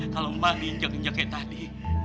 kalau emak diinjak injak kayak tadi